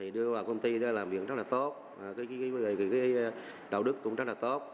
đưa vào công ty làm việc rất là tốt đạo đức cũng rất là tốt